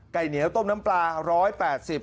ไก่เหนียวต้มน้ำปลาร้อยแปดสิบ